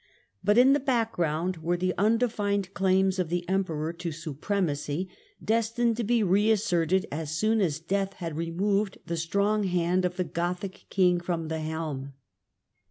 But in the background were the undefined claims of the Emperor to surremacy, destined to be reasserted as soon as death had removed the strong hand of the Gothic king from the helm.